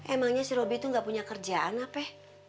emangnya si robi tuh gak punya kerjaan ape